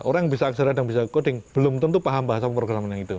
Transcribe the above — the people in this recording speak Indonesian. orang yang bisa aksara dan bisa coding belum tentu paham bahasa pemrograman itu